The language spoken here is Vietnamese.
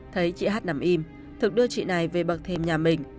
thấy chị hát nằm im thực đưa chị này về bậc thêm nhà mình